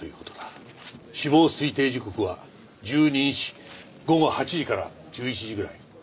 死亡推定時刻は１２日午後８時から１１時ぐらい。